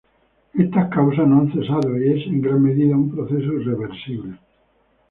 Estas causas no han cesado y es en gran medida un proceso irreversible.